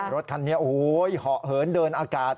รถคันนี้โอ้โหเหาะเหินเดินอากาศ